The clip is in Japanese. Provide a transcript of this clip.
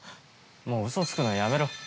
◆もう、うそつくのやめろ。